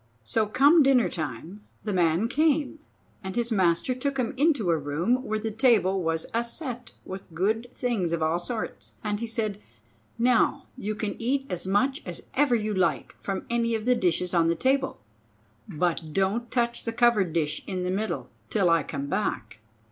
So come dinner time, the man came, and his master took him into a room where the table was a set with good things of all sorts. And he said: "Now, you can eat as much as ever you like from any of the dishes on the table; but don't touch the covered dish in the middle till I come back."